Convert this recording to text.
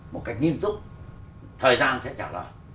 một cách nghiêm túc thời gian sẽ trả lời